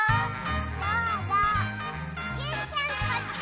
どうぞジュンちゃんこっち！